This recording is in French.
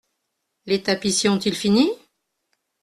Les tapissiers ont-ils fini ?…